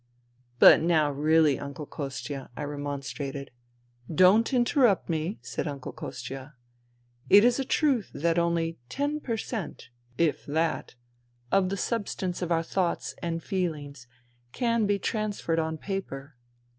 " But now really. Uncle Kostia," I remonstrated. "Don't interrupt me," said Uncle Kostia. It is a truth that only ten per cent, if that, of the substance of our thoughts and feelings can be trans ferred on paper.